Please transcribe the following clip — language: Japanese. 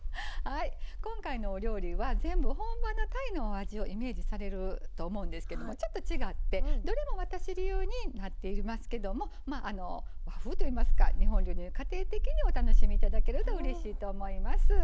今回のお料理は全部本場のタイのお味をイメージされると思うんですけどもちょっと違ってどれも私流になっていますけど和風といいますか日本流に家庭的にお楽しみいただけるとうれしいと思います。